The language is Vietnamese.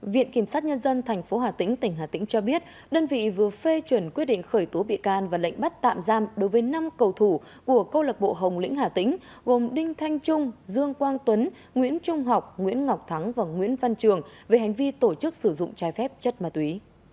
viện kiểm sát nhân dân tp hà tĩnh tỉnh hà tĩnh cho biết đơn vị vừa phê chuẩn quyết định khởi tố bị can và lệnh bắt tạm giam đối với năm cầu thủ của câu lạc bộ hồng lĩnh hà tĩnh gồm đinh thanh trung dương quang tuấn nguyễn trung học nguyễn ngọc thắng và nguyễn văn trường về hành vi tổ chức sử dụng trái phép chất ma túy